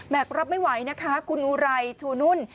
รับไม่ไหวนะคะคุณอุไรชูนุ่น